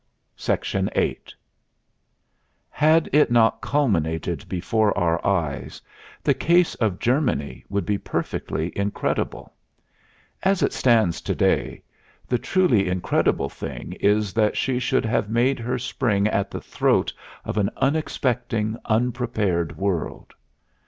VIII Had it not culminated before our eyes, the case of Germany would be perfectly incredible. As it stands to day, the truly incredible thing is that she should have made her spring at the throat of an unexpecting, unprepared world.